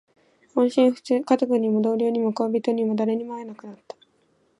音信不通。家族にも、同僚にも、恋人にも、誰にも会えなくなった。